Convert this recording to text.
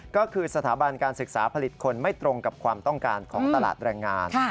ก็คือสถาบันการศึกษาผลิตคนไม่ตรงกับความต้องการของตลาดแรงงาน